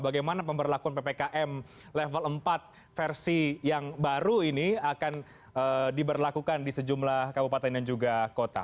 bagaimana pemberlakuan ppkm level empat versi yang baru ini akan diberlakukan di sejumlah kabupaten dan juga kota